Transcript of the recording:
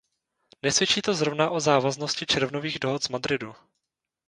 Nesvědčí to zrovna o závaznosti červnových dohod z Madridu.